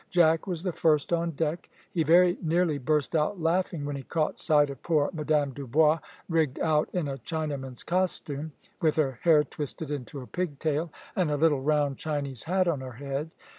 Jack was the first on deck. He very nearly burst out laughing when he caught sight of poor Madame Dubois rigged out in a Chinaman's costume, with her hair twisted into a pigtail, and a little round Chinese hat on her head.